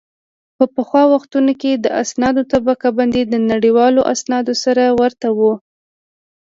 په پخوا وختونو کې د اسنادو طبقه بندي د نړیوالو اسنادو سره ورته وه